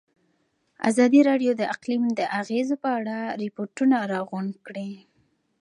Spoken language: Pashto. ازادي راډیو د اقلیم د اغېزو په اړه ریپوټونه راغونډ کړي.